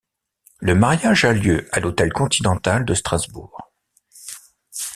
Le mariage a lieu à l'Hôtel Continental de Strasbourg.